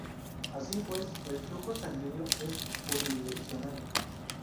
Así pues, el flujo sanguíneo es unidireccional.